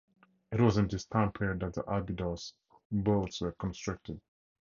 It was in this time period that the Abydos boats were constructed.